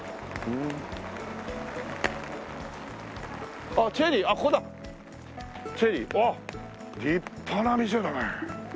うわっ立派な店だね。